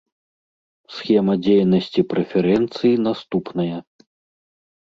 Схема дзейнасці прэферэнцый наступная.